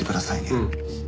うん。